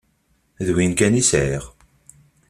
D win kan i sεiɣ.